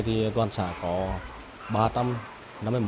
thì toàn xã có nạn nhân nơi đây